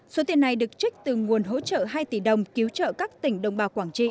số tiền này được trích từ nguồn hỗ trợ hai tỷ đồng cứu trợ các tỉnh đồng bào quảng trị